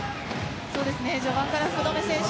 序盤から福留選手